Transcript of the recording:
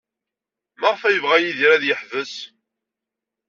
Maɣef ay yebɣa Yidir ad yeḥbes?